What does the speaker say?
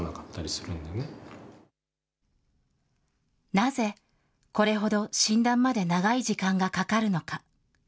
なぜ、これほど診断まで長い時間がかかるのか。